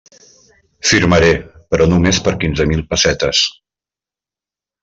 Firmaré, però només per quinze mil pessetes.